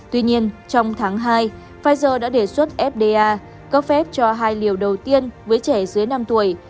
tuy nhiên trong tháng hai pfizer đã đề xuất fda cấp phép cho hai liều đầu tiên với trẻ dưới năm tuổi